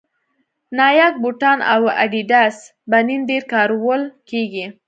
نایک بوټان او اډیډاس بنېن ډېر کارول کېږي